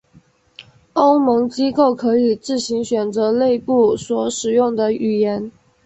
欧盟机构可以自行选择内部所使用的语言。